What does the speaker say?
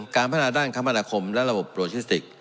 การพัฒนาด้านคมนาคมและระบบโลจิสติก